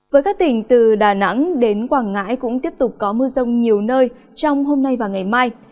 với các tỉnh từ đà nẵng đến quảng ngãi cũng tiếp tục có mưa rông nhiều nơi trong hôm nay và ngày mai